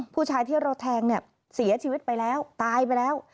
ผู้ชายที่เราแทงเนี่ยเสียชีวิตไปแล้วตายไปแล้ว